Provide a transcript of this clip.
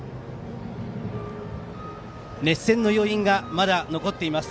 熱戦の余韻がまだ残っています